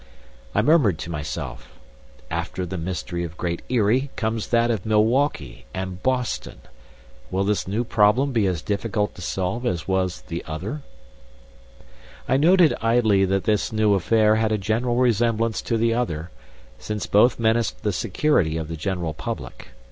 I murmured to myself, "After the mystery of Great Eyrie, comes that of Milwaukee and Boston. Will this new problem be as difficult to solve as was the other?" I noted idly that this new affair had a general resemblance to the other, since both menaced the security of the general public.